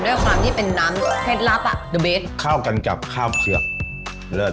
ด้วยความที่เป็นน้ำเคล็ดลับอ่ะดูเบสเข้ากันกับข้าวเผือกเลิศ